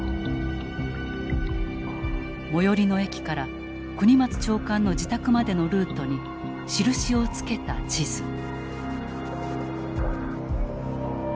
最寄りの駅から國松長官の自宅までのルートに印をつけた地図。